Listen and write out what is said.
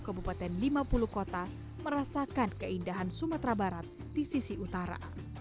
kabupaten lima puluh kota merasakan keindahan sumatera barat di sisi utara